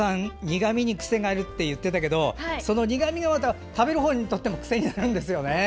苦みに癖があるって言ってたけどその苦みがまた食べるほうにとっても癖になるんですよね。